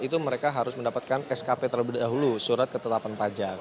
itu mereka harus mendapatkan skp terlebih dahulu surat ketetapan pajak